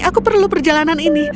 aku perlu perjalanan ini